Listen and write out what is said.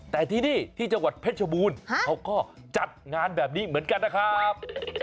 แต่ที่นี่ที่จังหวัดเพชรบูรณ์เขาก็จัดงานแบบนี้เหมือนกันนะครับ